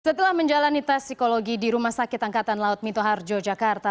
setelah menjalani tes psikologi di rumah sakit angkatan laut minto harjo jakarta